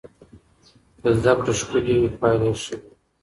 که زده کړه ښکلې وي پایله یې ښه وي.